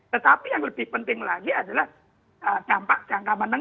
tetapi yang lebih penting lagi adalah dampak jangka menengah